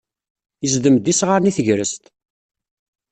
Yezdem-d isɣaren i tegrest.